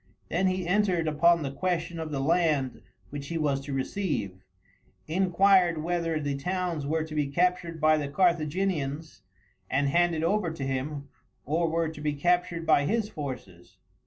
Then he entered upon the question of the land which he was to receive, inquired whether the towns were to be captured by the Carthaginians and handed over to him, or were to be captured by his forces.